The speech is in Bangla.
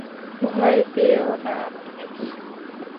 ভয় পেও না মানে কী?